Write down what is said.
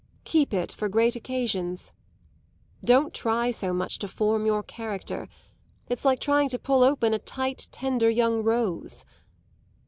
Keep it for great occasions. Don't try so much to form your character it's like trying to pull open a tight, tender young rose.